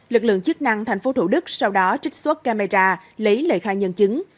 lực lượng chức năng thành phố thủ đức sau đó trích xuất camera lấy lời khai nhân chứng